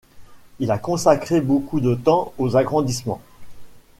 Il a consacré beaucoup de temps aux agrandissements.